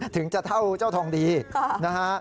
ถึงจะเท่าเจ้าทองดีนะฮะ